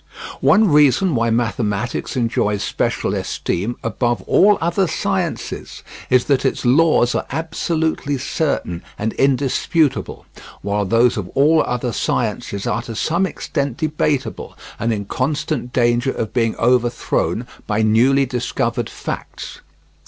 One reason why mathematics enjoys special esteem, above all other sciences, is that its laws are absolutely certain and indisputable, while those of all other sciences are to some extent debatable and in constant danger of being overthrown by newly discovered facts.